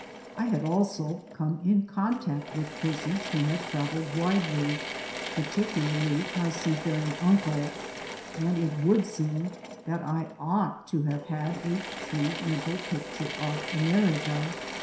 I had also come in contact with persons who had traveled widely, particulaily my seafaring uncle, and it would seem that I ought to have had a true mental picture of America.